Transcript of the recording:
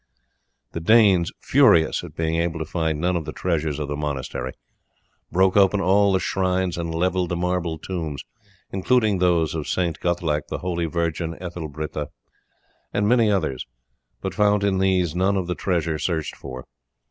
The Danes, furious at being able to find none of the treasures of the monastery, broke open all the shrines and levelled the marble tombs, including those of St. Guthlac, the holy virgin Ethelbritha, and many others, but found in these none of the treasure searched for.